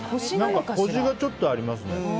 コシがちょっとありますね。